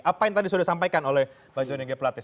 apa yang tadi sudah disampaikan oleh bang johnny g platit